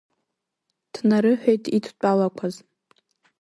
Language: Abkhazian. Днарыҳәеит идтәалақәаз.